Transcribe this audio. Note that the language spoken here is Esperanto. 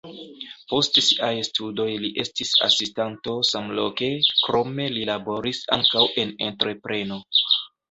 Post siaj studoj li estis asistanto samloke, krome li laboris ankaŭ en entrepreno.